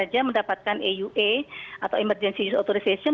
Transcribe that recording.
jadi saya kira mungkin saja mendapatkan aua atau emergency use authorization